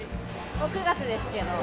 もう９月ですけど。